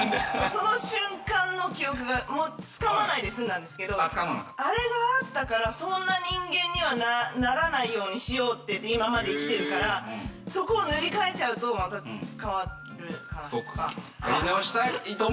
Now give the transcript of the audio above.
その瞬間の記憶が掴まないで済んだんですけど、あれがあったから、そんな人間にならないようにしようって、今まで生きてるから、そこを塗り替えちゃうとまた変わるかなっていうか。